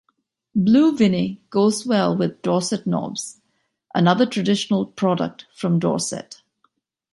Blue Vinney goes well with Dorset Knobs, another traditional product from Dorset.